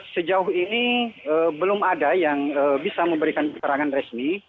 sejauh ini belum ada yang bisa memberikan keterangan resmi